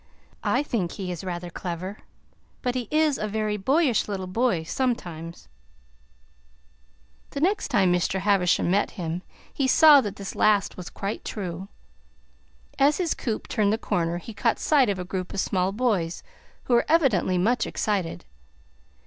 I think he is rather clever, but he is a very boyish little boy, sometimes." The next time Mr. Havisham met him, he saw that this last was quite true. As his coupe turned the corner, he caught sight of a group of small boys, who were evidently much excited.